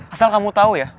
asal kamu tau ya